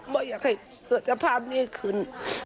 ไม่อยากให้เกิดสภาพนี้ขึ้น